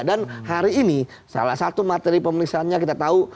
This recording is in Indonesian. dan hari ini salah satu materi pemelisahannya kita tahu